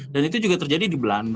dan itu juga terjadi di belanda